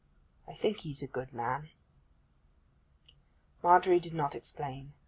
'I think he's a good man.' Margery did not explain.